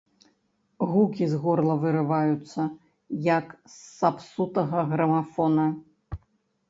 Гукі з горла вырываюцца, як з сапсутага грамафона.